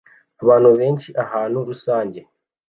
Abantu benshi ahantu rusange